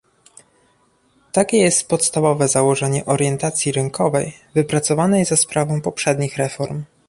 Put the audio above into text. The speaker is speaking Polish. Takie jest podstawowe założenie orientacji rynkowej wypracowanej za sprawą poprzednich reform